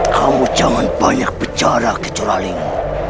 kamu jangan banyak berjarak curaling